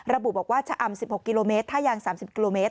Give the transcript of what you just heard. ระบุบอกว่าชะอำ๑๖กิโลเมตรท่ายาง๓๐กิโลเมตร